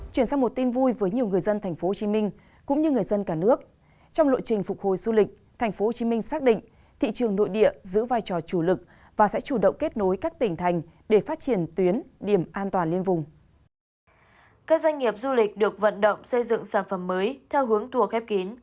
các doanh nghiệp du lịch được vận động xây dựng sản phẩm mới theo hướng thua khép kín